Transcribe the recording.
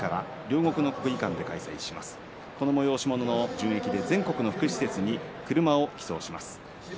この催し物の純益で全国の福祉施設に車を寄贈します。